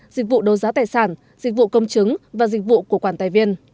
dịch vụ đấu giá tài sản dịch vụ công chứng và dịch vụ của quản tài viên